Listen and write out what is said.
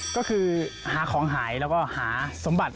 ก็คือหาของหายแล้วก็หาสมบัติ